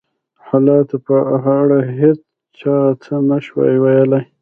د حالاتو په اړه هېڅ چا څه نه شوای ویلای.